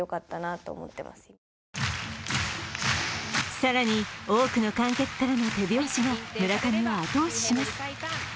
更に多くの観客からの手拍子も村上を後押しします。